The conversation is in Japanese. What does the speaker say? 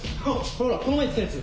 ほらこの前言ってたやつ。